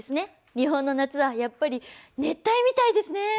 日本の夏はやっぱり熱帯みたいですね。